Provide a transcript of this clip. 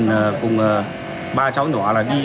chị hiền cùng ba cháu nhỏ di chuyển về phía lan can ở tầng hai